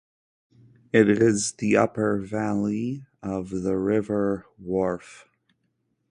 It is the upper valley of the River Wharfe.